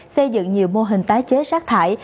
xây dựng nhiều mô hình tái chế rác thải